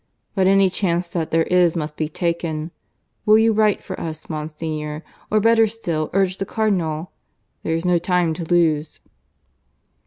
"But any chance that there is must be taken. ... Will you write for us, Monsignor? or better still, urge the Cardinal? There is no time to lose."